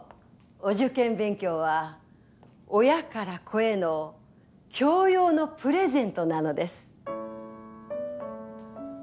お受験勉強は親から子への教養のプレゼントなのです。